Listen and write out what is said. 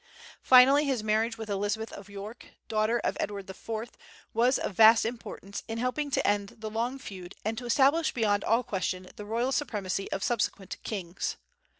Finally his marriage with Elizabeth of York, daughter of Edward IV, was of vast importance in helping to end the long feud and to establish beyond all question the royal supremacy of subsequent kings.